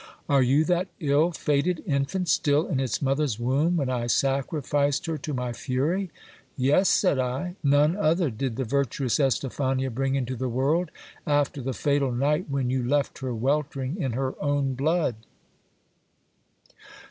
Are you that ill fated infant, still in its mother's womb, when I sacrificed her to my fury ? Yes, said I ; none other did the virtuous Estephania bring into the world, after the fatal night when you left her weltering in her own blood.